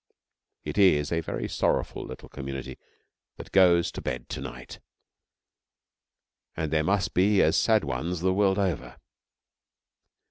It is a very sorrowful little community that goes to bed to night, and there must be as sad ones the world over.